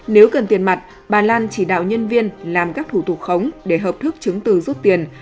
nếu cần tiền mặt bà lan chỉ đạo nhân viên làm các thủ tục khống để hợp thức chứng từ rút tiền